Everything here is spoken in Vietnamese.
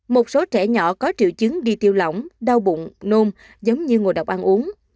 một số trẻ nhỏ có triệu chứng đi tiêu lỏng đau bụng nôn giống như ngồi đọc ăn uống